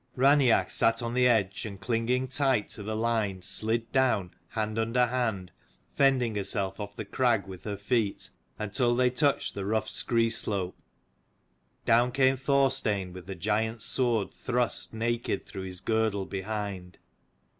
Raineach sat on the edge, and clinging tight to the line, slid down hand under hand, fending herself off the crag with her feet, until they touched the rough scree slope. Down came Thorstein, with the giant's sword thrust naked through his girdle behind.